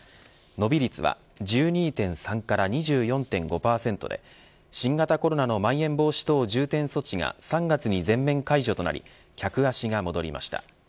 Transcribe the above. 伸び率は１２．３から２４．５％で新型コロナのまん延防止等重点措置が３月に全面解除となり客足が戻りました。